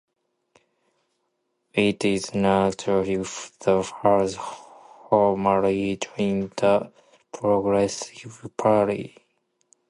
It is unclear if she has formally joined the Progressive Party.